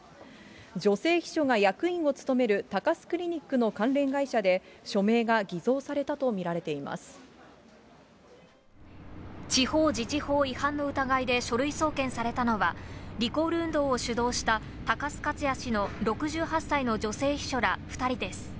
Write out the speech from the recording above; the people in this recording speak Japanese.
女性秘書が役員を務める高須クリニックの関連会社で、署名が偽造地方自治法違反の疑いで書類送検されたのは、リコール運動を主導した高須克弥氏の６８歳の女性秘書ら２人です。